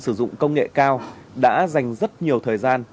sử dụng công nghệ cao đã dành rất nhiều thời gian